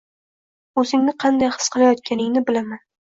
O‘zingni qanday his qilayotganingni bilaman.